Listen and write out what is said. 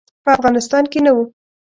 په افغانستان کې نه وو.